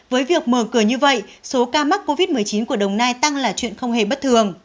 với việc mở cửa như vậy số ca mắc covid một mươi chín của đồng nai tăng là chuyện không hề bất thường